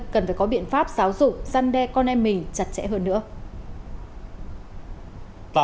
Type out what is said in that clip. cần phải có biện pháp giáo dụng giăn đe con em mình chặt chẽ hơn nữa